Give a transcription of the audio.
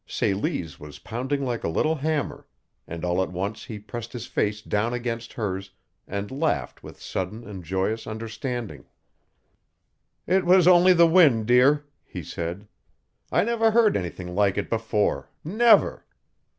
Celie's was pounding like a little hammer, and all at once he pressed his face down against hers and laughed with sudden and joyous understanding. "It was only the wind, dear," he said. "I never heard anything like it before never!